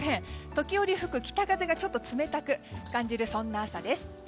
時折吹く北風が冷たく感じるそんな朝です。